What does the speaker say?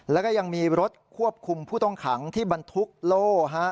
แล้วก็ยังมีรถควบคุมผู้ต้องขังที่บรรทุกโล่